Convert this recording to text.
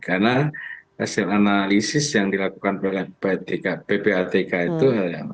karena hasil analisis yang dilakukan oleh ppatk itu